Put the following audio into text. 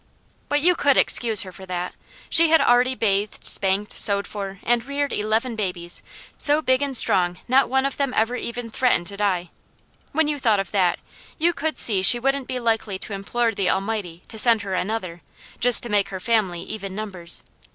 But you could excuse her for that. She had already bathed, spanked, sewed for, and reared eleven babies so big and strong not one of them ever even threatened to die. When you thought of that, you could see she wouldn't be likely to implore the Almighty to send her another, just to make her family even numbers.